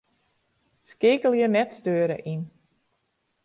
Skeakelje 'net steure' yn.